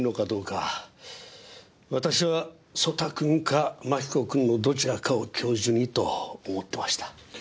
私は曽田君か槙子君のどちらかを教授にと思ってました。